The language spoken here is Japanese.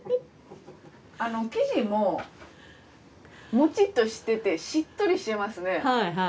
生地もモチッとしててしっとりしてますね。